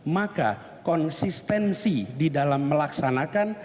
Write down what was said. maka konsistensi di dalam melaksanakan